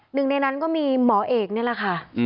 หนึ่งในนั้นก็มีหมอเอกนี่แหละค่ะ